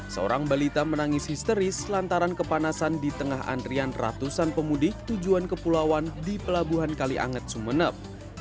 seorang balita menangis histeris lantaran kepanasan di tengah antrian ratusan pemudik tujuan kepulauan di pelabuhan kalianget sumeneb